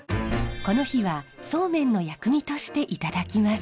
この日はそうめんの薬味としていただきます。